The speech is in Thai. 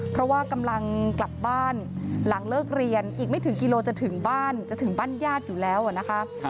เพราะว่ากำลังกลับบ้านหลังเลิกเรียนอีกไม่ถึงกิโลจะถึงบ้านจะถึงบ้านญาติอยู่แล้วนะคะ